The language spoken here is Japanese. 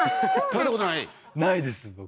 ないです僕。